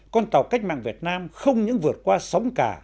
con tàu cách mạng việt nam không những vượt qua sóng cả